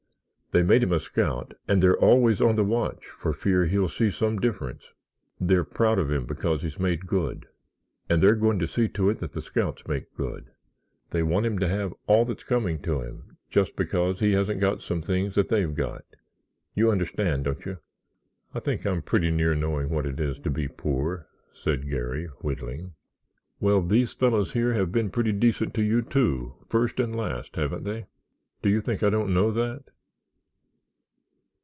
They made him a scout, and they're always on the watch for fear he'll see some difference. They're proud of him because he's made good and they're going to see to it that the scouts make good. They want him to have all that's coming to him just because he hasn't got some things that they've got—you understand, don't you?" "I think I come pretty near knowing what it is to be poor," said Garry, whittling. "Well, these fellows here have been pretty decent to you, too, first and last, haven't they?" "Do you think I don't know that?"